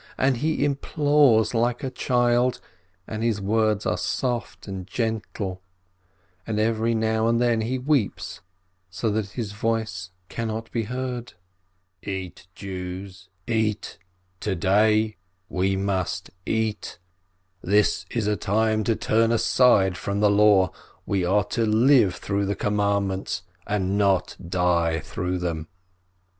And he implores like a child, and his words are soft and gentle, and every now and then he weeps so that his voice cannot be heard. "Eat, Jews, eat! To day we must eat. This is a time to turn aside from the Law. We are to live through the commandments, and not die through them